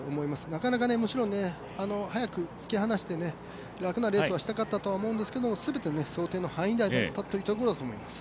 なかなか早く突き放して、楽なレースをしたかったと思うんですが全て想定の範囲内だったというところだと思います。